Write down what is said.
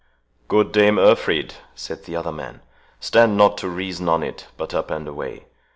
"Good Dame Urfried," said the other man, "stand not to reason on it, but up and away.